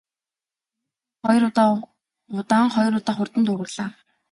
Гэнэт хонх хоёр удаа удаан, хоёр удаа хурдан дуугарлаа.